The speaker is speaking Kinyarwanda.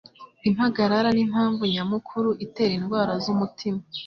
Impagarara nimpamvu nyamukuru itera indwara z'umutima.